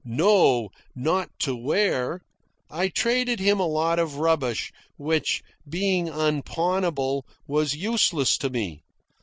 No; not to wear. I traded him a lot of rubbish which, being unpawnable, was useless to me.